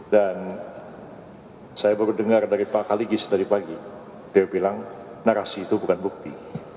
dan saya baru dengar dari pak kaligis tadi pagi dia bilang narasi itu bukan bukti